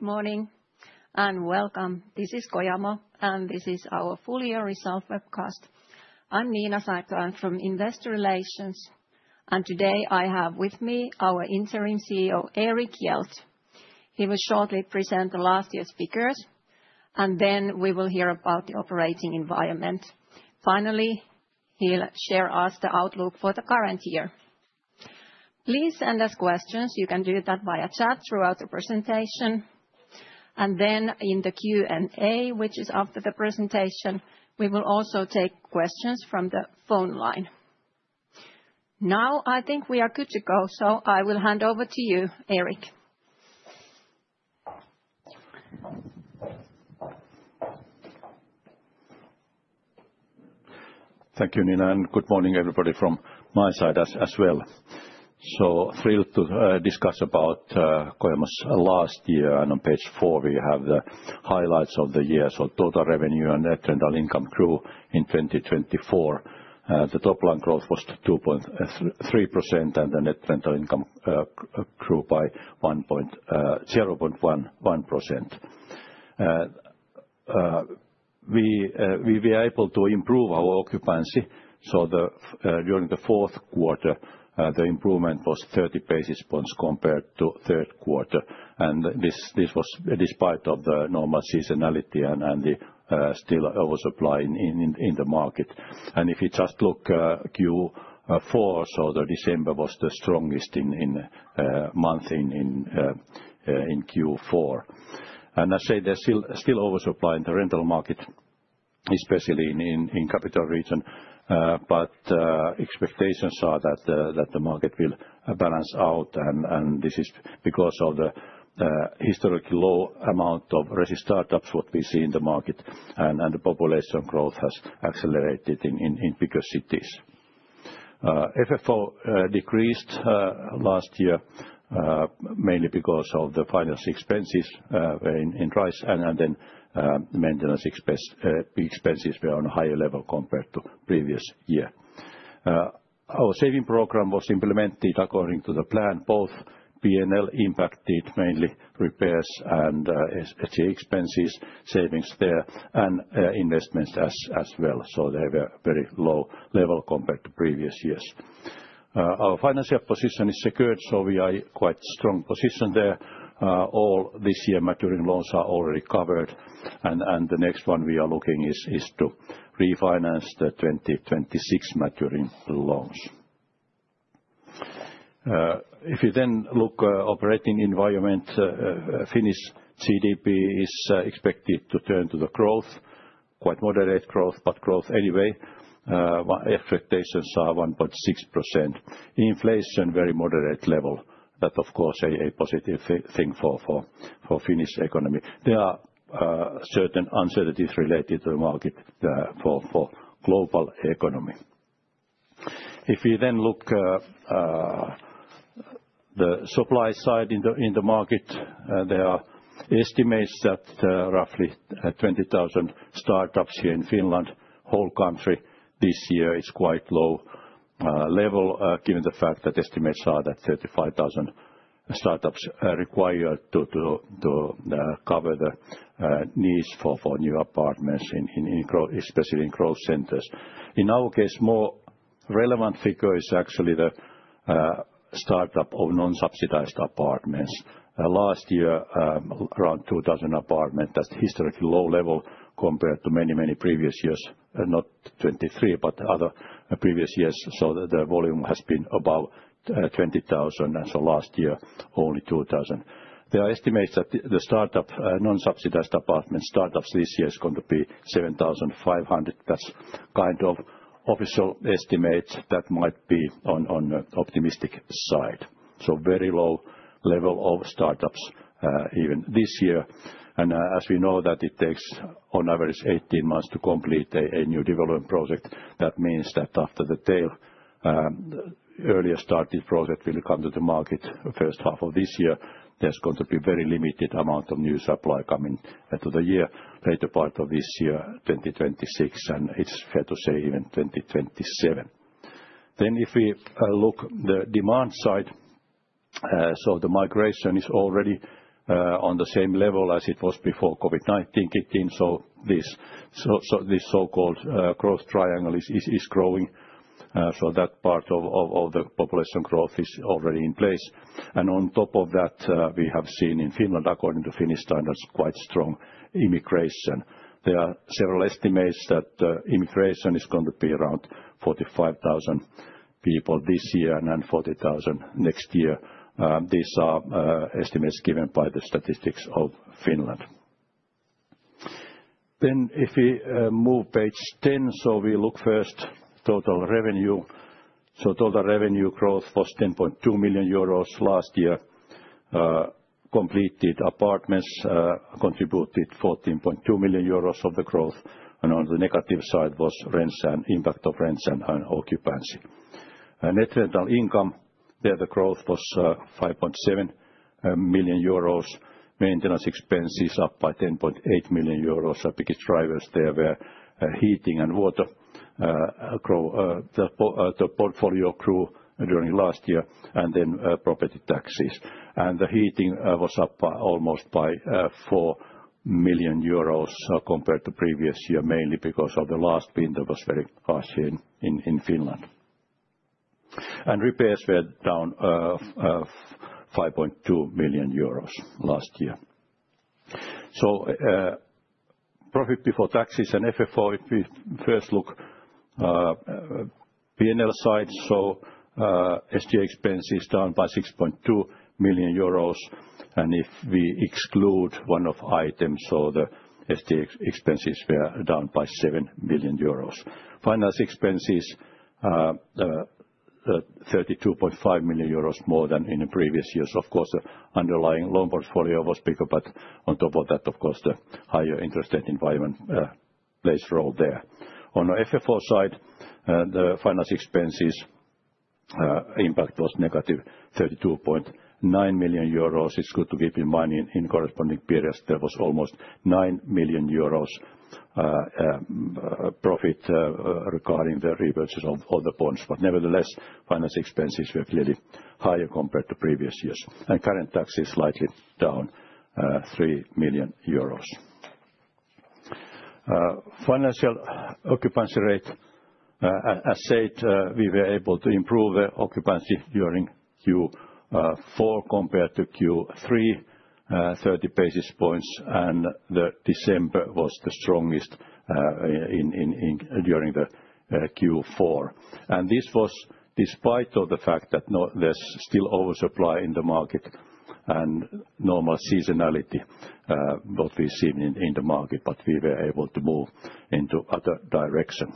Good morning and welcome. This is Kojamo and this is our full-year result webcast. I'm Niina Saarto from Investor Relations, and today I have with me our Interim CEO, Erik Hjelt. He will shortly present the last year's figures, and then we will hear about the operating environment. Finally, he'll share us the outlook for the current year. Please send us questions. You can do that via chat throughout the presentation. And then in the Q&A, which is after the presentation, we will also take questions from the phone line. Now I think we are good to go, so I will hand over to you, Erik. Thank you, Niina, and good morning everybody from my side as well. So thrilled to discuss about Kojamo's last year. And on page four, we have the highlights of the year. So total revenue and net rental income grew in 2024. The top-line growth was 2.3% and the net rental income grew by 0.1%. We were able to improve our occupancy. So during the fourth quarter, the improvement was 30 basis points compared to the third quarter. And this was despite the normal seasonality and the still oversupply in the market. And if you just look at Q4, so the December was the strongest month in Q4. And I say there's still oversupply in the rental market, especially in the Capital Region. But expectations are that the market will balance out, and this is because of the historically low amount of registered start-ups that we see in the market, and the population growth has accelerated in bigger cities. FFO decreased last year mainly because of the finance expenses increase, and then maintenance expenses were on a higher level compared to the previous year. Our Savings Program was implemented according to the plan. Both P&L impacted mainly repairs and FSA expenses, savings there, and investments as well. So they were very low level compared to previous years. Our financial position is secured, so we are in a quite strong position there. All this year's maturing loans are already covered. And the next one we are looking at is to refinance the 2026 maturing loans. If you then look at the operating environment, Finnish GDP is expected to turn to the growth, quite moderate growth, but growth anyway. Expectations are 1.6%. Inflation, very moderate level. That, of course, is a positive thing for the Finnish economy. There are certain uncertainties related to the market for the global economy. If we then look at the supply side in the market, there are estimates that roughly 20,000 startups here in Finland, whole country this year is quite low level, given the fact that estimates are that 35,000 startups are required to cover the needs for new apartments, especially in growth centers. In our case, a more relevant figure is actually the startup of non-subsidized apartments. Last year, around 2,000 apartments, that's historically low level compared to many, many previous years, not 2023, but other previous years. The volume has been above 20,000, and last year only 2,000. There are estimates that the non-subsidized apartment startups this year are going to be 7,500. That's kind of official estimates that might be on the optimistic side. Very low level of startups even this year. As we know that it takes on average 18 months to complete a new development project, that means that after the tail, earlier started project will come to the market first half of this year. There's going to be a very limited amount of new supply coming into the year later part of this year, 2026, and it's fair to say even 2027. If we look at the demand side, the migration is already on the same level as it was before COVID-19 kicked in. This so-called Growth Triangle is growing. That part of the population growth is already in place. On top of that, we have seen in Finland, according to Finnish standards, quite strong immigration. There are several estimates that immigration is going to be around 45,000 people this year and then 40,000 next year. These are estimates given by Statistics Finland. If we move to page 10, we look first at total revenue. Total revenue growth was 10.2 million euros last year. Completed apartments contributed 14.2 million euros of the growth. On the negative side was rents and impact of rents and occupancy. Net rental income, there the growth was 5.7 million euros. Maintenance expenses up by 10.8 million euros. The biggest drivers there were heating and water. The portfolio grew during last year and then property taxes. And the heating was up almost by 4 million euros compared to previous year, mainly because the last winter was very harsh in Finland. And repairs were down 5.2 million euros last year. So profit before taxes and FFO, if we first look at the P&L side, so SG&A expenses down by 6.2 million euros. And if we exclude one-off items, so the SG&A expenses were down by 7 million euros. Finance expenses, 32.5 million euros more than in the previous years. Of course, the underlying loan portfolio was bigger, but on top of that, of course, the higher interest rate environment plays a role there. On the FFO side, the finance expenses impact was -32.9 million euros. It's good to keep in mind in corresponding periods there was almost 9 million euros profit regarding the repurchases of all the bonds. But nevertheless, finance expenses were clearly higher compared to previous years, and current taxes slightly down 3 million euros. Financial occupancy rate, as said, we were able to improve the occupancy during Q4 compared to Q3, 30 basis points, and the December was the strongest during Q4, and this was despite the fact that there's still oversupply in the market and normal seasonality what we've seen in the market, but we were able to move into other direction.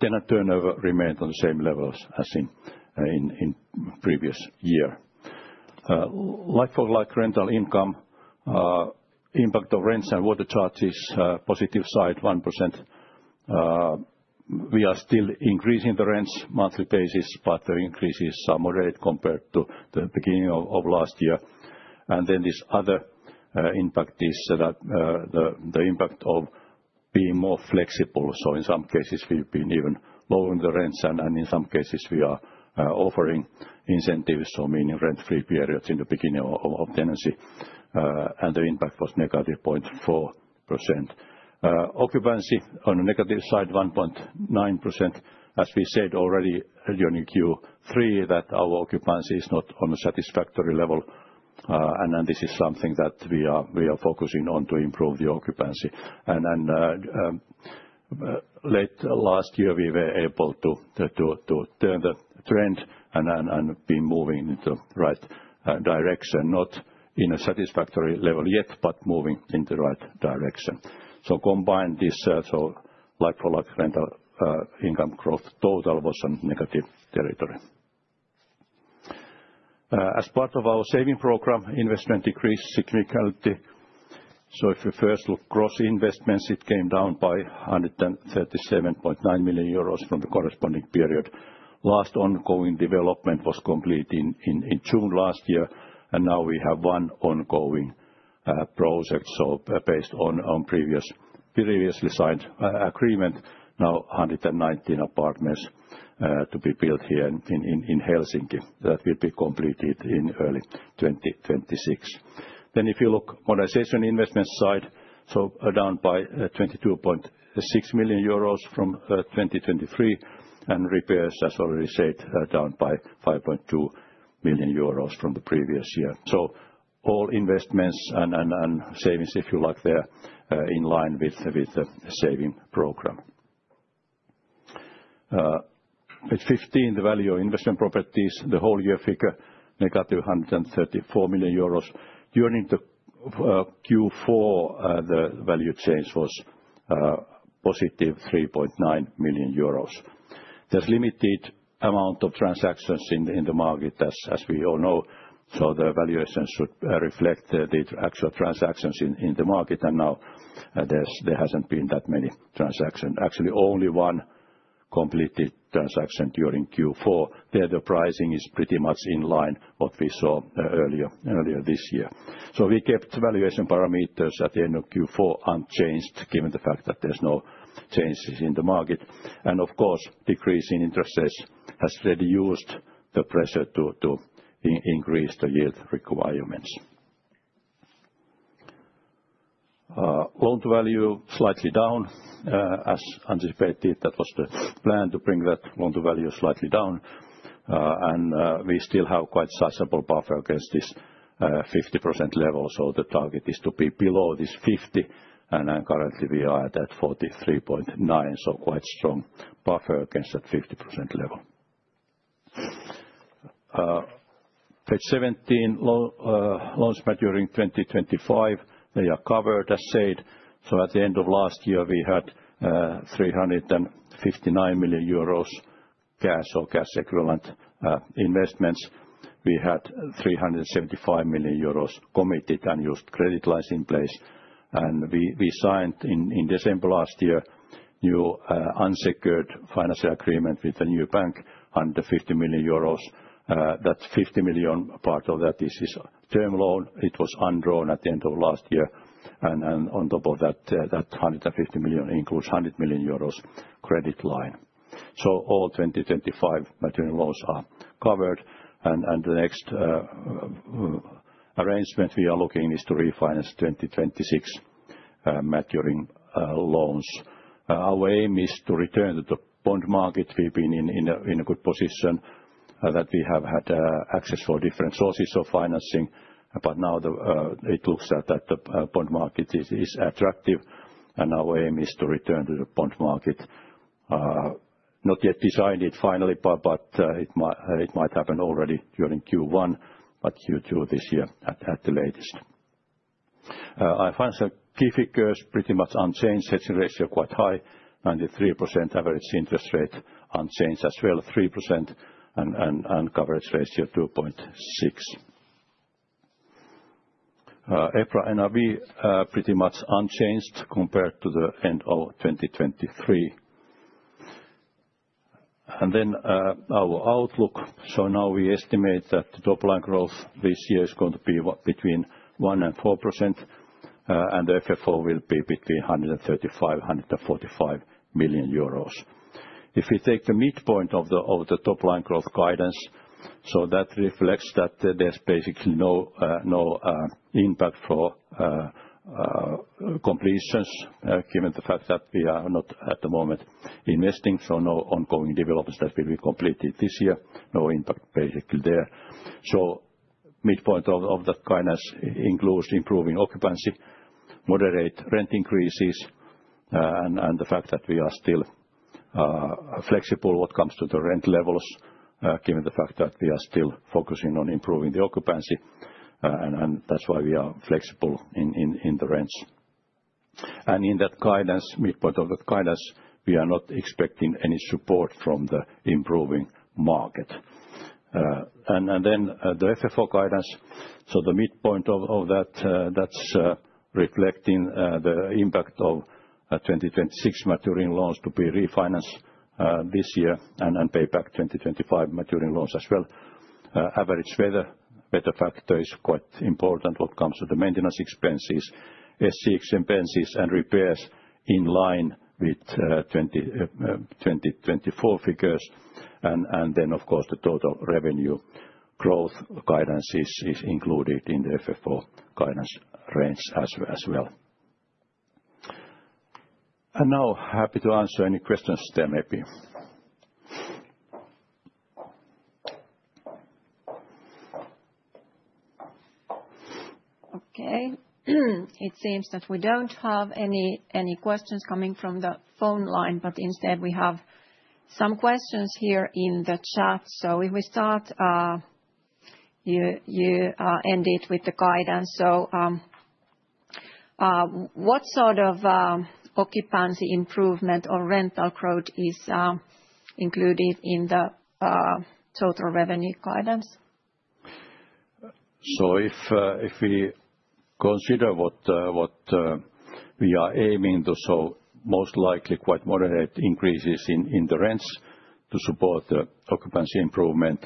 Tenant turnover remained on the same levels as in the previous year. Like-for-like rental income, impact of rents and water charges, positive side, 1%. We are still increasing the rents monthly basis, but the increase is moderate compared to the beginning of last year, and then this other impact is the impact of being more flexible. So in some cases, we've been even lowering the rents, and in some cases, we are offering incentives, so meaning rent-free periods in the beginning of tenancy. And the impact was -0.4%. Occupancy on the negative side, 1.9%. As we said already during Q3, that our occupancy is not on a satisfactory level. And this is something that we are focusing on to improve the occupancy. And late last year, we were able to turn the trend and be moving in the right direction, not in a satisfactory level yet, but moving in the right direction. So combine this, so like-for-like rental income growth total was on negative territory. As part of our Savings Program, investment decreased significantly. So if we first look at gross investments, it came down by 137.9 million euros from the corresponding period. Last ongoing development was completed in June last year, and now we have one ongoing project, so based on previously signed agreement, now 119 apartments to be built here in Helsinki that will be completed in early 2026. Then if you look at modernization investment side, so down by 22.6 million euros from 2023, and repairs, as already said, down by 5.2 million euros from the previous year. So all investments and savings, if you like, they are in line with the Savings Program. At year-end, the value of investment properties, the whole year figure, -134 million euros. During Q4, the value change was +3.9 million euros. There is limited amount of transactions in the market, as we all know, so the valuation should reflect the actual transactions in the market, and now there hasn't been that many transactions. Actually, only one completed transaction during Q4. There, the pricing is pretty much in line with what we saw earlier this year. So we kept valuation parameters at the end of Q4 unchanged, given the fact that there's no changes in the market. And of course, decrease in interest rates has reduced the pressure to increase the yield requirements. Loan-to-value slightly down, as anticipated. That was the plan to bring that loan-to-value slightly down. And we still have quite sizable buffer against this 50% level. So the target is to be below this 50%. And currently we are at that 43.9%, so quite strong buffer against that 50% level. Page 17, loans during 2025, they are covered, as said. So at the end of last year, we had 359 million euros cash or cash equivalent investments. We had 375 million euros committed and used credit lines in place. And we signed in December last year a new unsecured financial agreement with a new bank 150 million euros. That 50 million part of that is a term loan. It was undrawn at the end of last year. And on top of that, that 150 million includes 100 million euros credit line. So all 2025 material loans are covered. And the next arrangement we are looking at is to refinance 2026 maturing loans. Our aim is to return to the bond market. We've been in a good position that we have had access for different sources of financing. But now it looks that the bond market is attractive. And our aim is to return to the bond market. Not yet designed it finally, but it might happen already during Q1, but Q2 this year at the latest. Financial key figures pretty much unchanged. Hedging ratio quite high, 93%. Average interest rate unchanged as well, 3%, and coverage ratio 2.6%. EPRA NRV pretty much unchanged compared to the end of 2023, and then our outlook. Now we estimate that the top line growth this year is going to be between 1% and 4%. The FFO will be between 135 million-145 million euros. If we take the midpoint of the top line growth guidance, so that reflects that there's basically no impact for completions given the fact that we are not at the moment investing. So no ongoing developments that will be completed this year. No impact basically there. So midpoint of that guidance includes improving occupancy, moderate rent increases, and the fact that we are still flexible what comes to the rent levels given the fact that we are still focusing on improving the occupancy. And that's why we are flexible in the rents. And in that guidance, midpoint of that guidance, we are not expecting any support from the improving market. And then the FFO guidance, so the midpoint of that, that's reflecting the impact of 2026 maturing loans to be refinanced this year and pay back 2025 maturing loans as well. Average weather factor is quite important when it comes to the maintenance expenses, SG&A expenses, and repairs in line with 2024 figures. And then, of course, the total revenue growth guidance is included in the FFO guidance range as well. And now happy to answer any questions there, maybe. Okay. It seems that we don't have any questions coming from the phone line, but instead we have some questions here in the chat. So if we start, you ended with the guidance. So what sort of occupancy improvement or rental growth is included in the total revenue guidance? So if we consider what we are aiming to, so most likely quite moderate increases in the rents to support the occupancy improvement,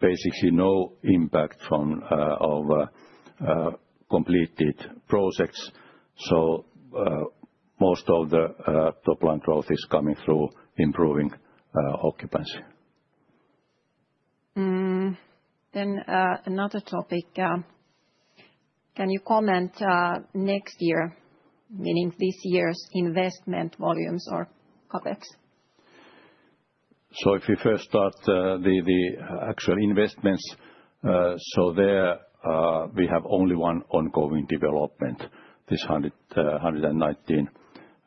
basically no impact from our completed projects. So most of the top line growth is coming through improving occupancy. Then another topic. Can you comment next year, meaning this year's investment volumes or CapEx? So if we first start the actual investments, so there we have only one ongoing development, this 119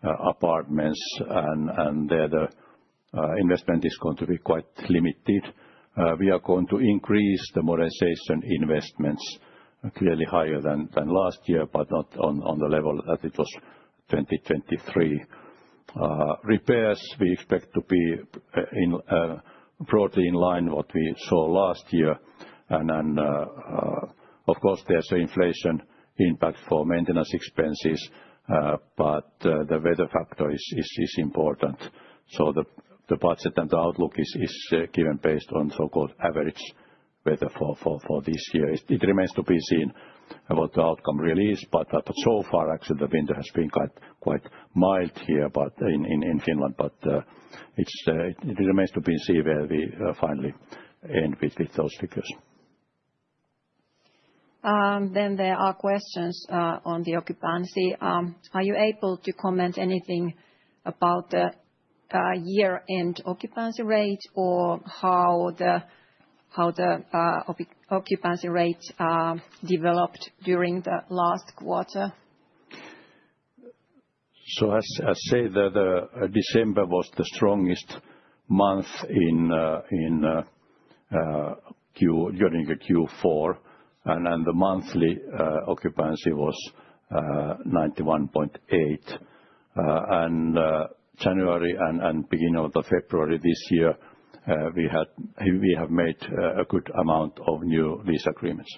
apartments, and there the investment is going to be quite limited. We are going to increase the modernization investments clearly higher than last year, but not on the level that it was 2023. Repairs, we expect to be broadly in line with what we saw last year. Of course, there's an inflation impact for maintenance expenses, but the weather factor is important. The budget and the outlook is given based on so-called average weather for this year. It remains to be seen what the outcome really is, but so far actually the winter has been quite mild here in Finland. It remains to be seen where we finally end with those figures. There are questions on the occupancy. Are you able to comment anything about the year-end occupancy rate or how the occupancy rate developed during the last quarter? As I said, December was the strongest month during Q4. The monthly occupancy was 91.8%. January and beginning of February this year, we have made a good amount of new lease agreements.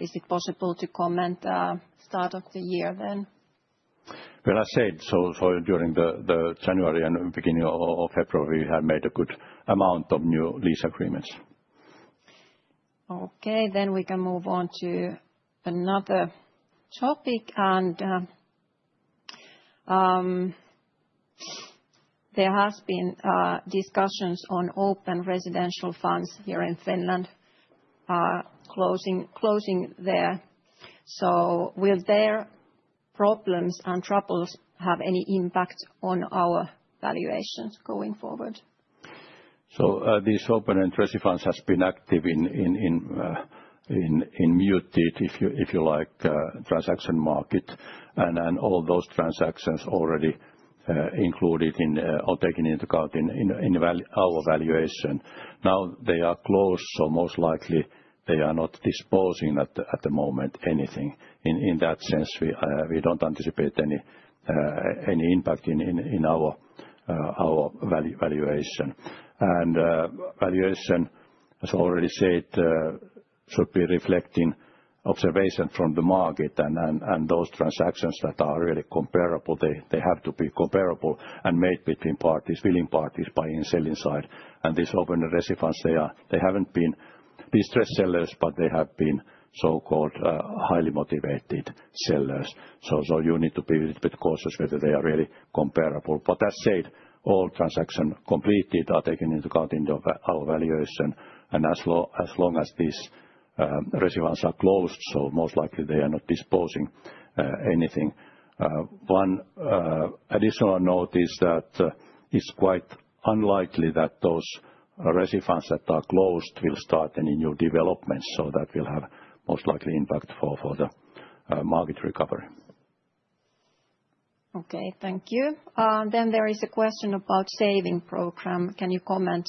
Is it possible to comment start of the year then? As said, during January and the beginning of February, we have made a good amount of new lease agreements. Okay, then we can move on to another topic. There has been discussions on open residential funds here in Finland closing there. Will their problems and troubles have any impact on our valuations going forward? This open residential funds has been active in muted, if you like, transaction market. All those transactions already included in or taken into account in our valuation. Now they are closed, so most likely they are not disposing at the moment anything. In that sense, we don't anticipate any impact in our valuation. Valuation, as already said, should be reflecting observation from the market. Those transactions that are really comparable, they have to be comparable and made between parties, willing parties on the selling side. These open residential funds, they haven't been distressed sellers, but they have been so-called highly motivated sellers. So you need to be a little bit cautious whether they are really comparable. But as said, all transactions completed are taken into account in our valuation. And as long as these funds are closed, so most likely they are not disposing anything. One additional note is that it's quite unlikely that those funds that are closed will start any new developments. So that will have most likely impact for the market recovery. Okay, thank you. Then there is a question about Savings Program. Can you comment?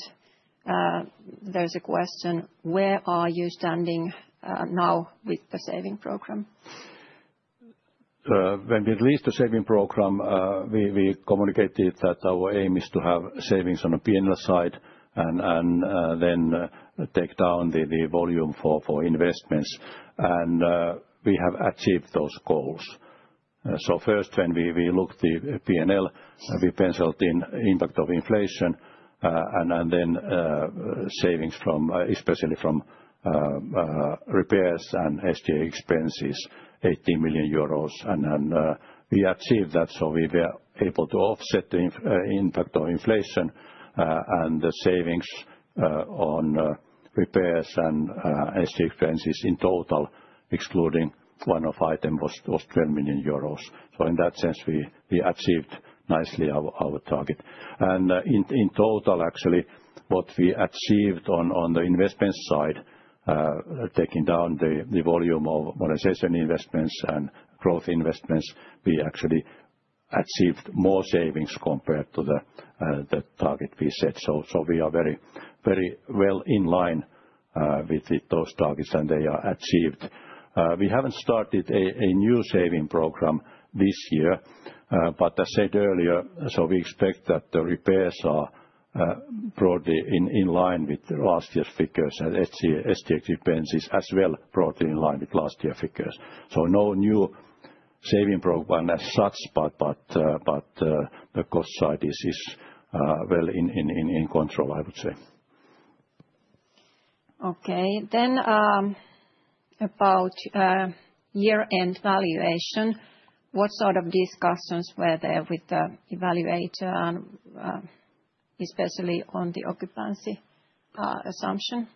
There's a question, where are you standing now with the Savings Program? When we released the Savings Program, we communicated that our aim is to have savings on the P&L side and then take down the volume for investments. And we have achieved those goals. First, when we looked at the P&L, we penciled in impact of inflation and then savings from, especially from repairs and SG&A expenses, 18 million euros. We achieved that. We were able to offset the impact of inflation and the savings on repairs and SG&A expenses in total, excluding one-off items was 12 million euros. In that sense, we achieved nicely our target. In total, actually, what we achieved on the investment side, taking down the volume of modernization investments and growth investments, we actually achieved more savings compared to the target we set. We are very well in line with those targets and they are achieved. We haven't started a new Savings Program this year, but as said earlier, so we expect that the repairs are broadly in line with last year's figures and SG&A expenses as well, broadly in line with last year's figures. So no new Savings Program as such, but the cost side is well in control, I would say. Okay, then about year-end valuation, what sort of discussions were there with the evaluator, especially on the occupancy assumption?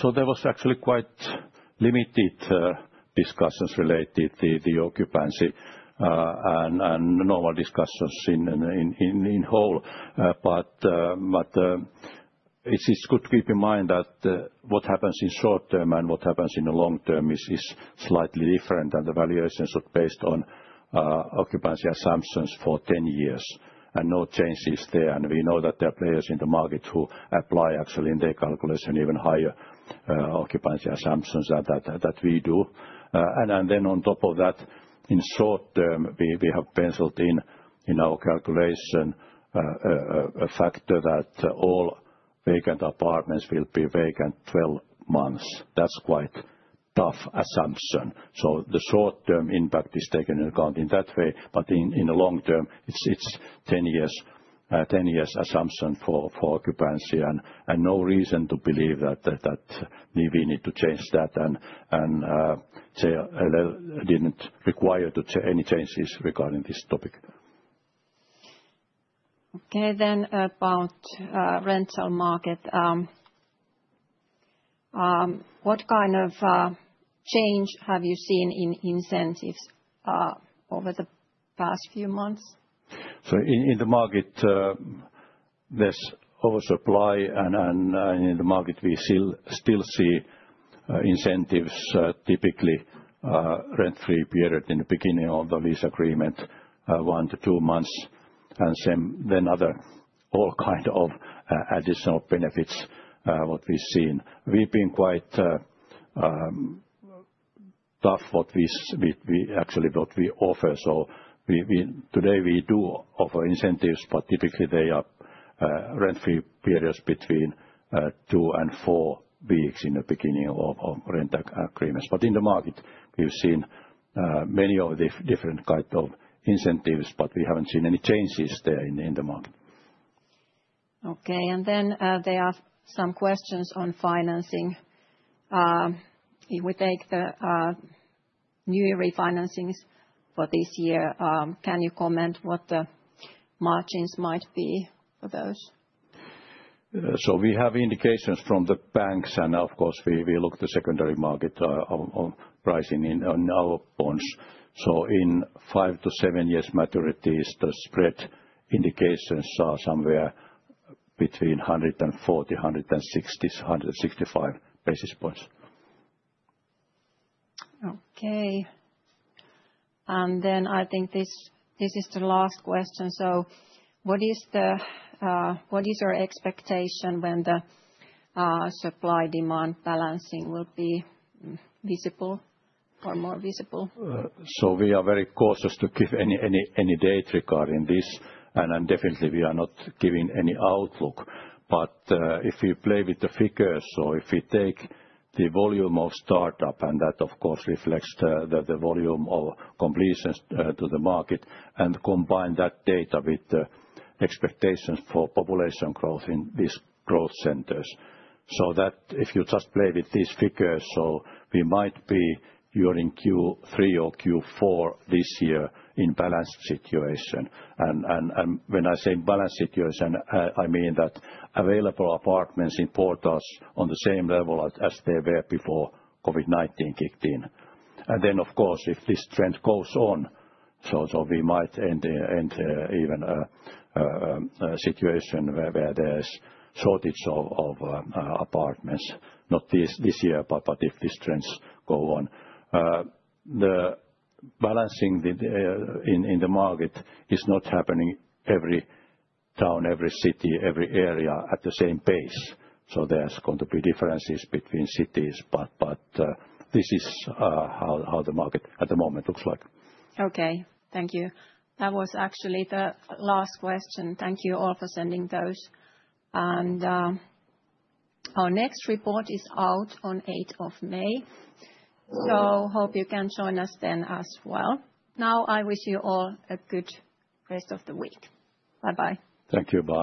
So there was actually quite limited discussions related to the occupancy and normal discussions in whole. But it's good to keep in mind that what happens in short term and what happens in the long term is slightly different. And the valuations are based on occupancy assumptions for 10 years and no changes there. We know that there are players in the market who apply actually in their calculation even higher occupancy assumptions than that we do. And then on top of that, in short term, we have penciled in our calculation a factor that all vacant apartments will be vacant 12 months. That's quite a tough assumption. So the short-term impact is taken into account in that way. But in the long term, it's 10 years assumption for occupancy. And no reason to believe that we need to change that. And I didn't require any changes regarding this topic. Okay, then about the rental market. What kind of change have you seen in incentives over the past few months? So in the market, there's oversupply. And in the market, we still see incentives, typically rent-free period in the beginning of the lease agreement, one to two months. And then other all kinds of additional benefits what we've seen. We've been quite tough what we actually offer. So today we do offer incentives, but typically they are rent-free periods between two and four weeks in the beginning of rental agreements. But in the market, we've seen many of the different kinds of incentives, but we haven't seen any changes there in the market. Okay, and then there are some questions on financing. If we take the new refinancings for this year, can you comment what the margins might be for those? So we have indications from the banks. And of course, we look at the secondary market pricing on our bonds. So in 5-7 years maturities, the spread indications are somewhere between 140, 160, 165 basis points. Okay. And then I think this is the last question. So what is your expectation when the supply-demand balancing will be visible or more visible? So we are very cautious to give any date regarding this. And definitely, we are not giving any outlook. But if we play with the figures, so if we take the volume of startup, and that of course reflects the volume of completions to the market, and combine that data with the expectations for population growth in these growth centers. So that if you just play with these figures, so we might be during Q3 or Q4 this year in balanced situation. And when I say balanced situation, I mean that available apartments in portals on the same level as they were before COVID-19 kicked in. And then of course, if this trend goes on, so we might end up in a situation where there is a shortage of apartments, not this year, but if these trends go on. The balancing in the market is not happening in every town, every city, every area at the same pace. So there's going to be differences between cities. But this is how the market at the moment looks like. Okay, thank you. That was actually the last question. Thank you all for sending those. And our next report is out on the 8th of May. So hope you can join us then as well. Now I wish you all a good rest of the week. Bye-bye. Thank you. Bye.